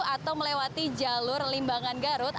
atau melewati jalur limbangan garut